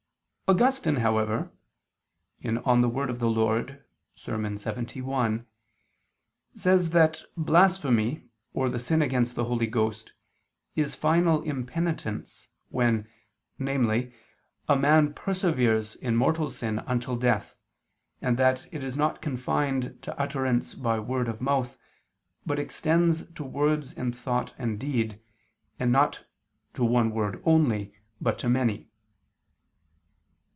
Augustine, however (De Verb. Dom., Serm. lxxi), says that blasphemy or the sin against the Holy Ghost, is final impenitence when, namely, a man perseveres in mortal sin until death, and that it is not confined to utterance by word of mouth, but extends to words in thought and deed, not to one word only, but to many.